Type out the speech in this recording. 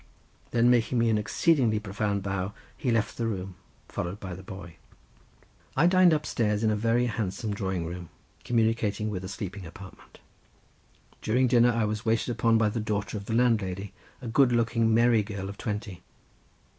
Then making me an exceedingly profound bow, he left the room, followed by the boy. I dined upstairs in a very handsome drawing room communicating with a sleeping apartment. During dinner I was waited upon by the daughter of the landlady, a good looking merry girl of twenty.